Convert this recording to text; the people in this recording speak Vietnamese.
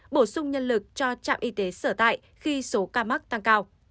bổ sung nhân lực cho trạm y tế sở tại khi số ca mắc tăng cao